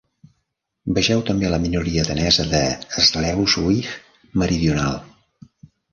Vegeu també la minoria danesa de Schleswig Meridional.